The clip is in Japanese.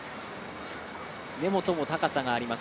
根本も高さがあります。